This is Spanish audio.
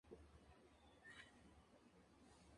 Es uno de los paisajes más conocidos de la zona sur del país.